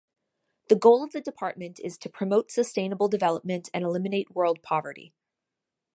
The goal of the department is "to promote sustainable development and eliminate world poverty".